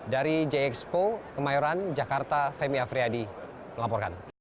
dari jxpo kemayoran jakarta femi afriyadi melaporkan